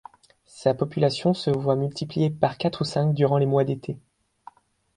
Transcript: Sa population se voit multipliée par quatre ou cinq durant les mois d'été.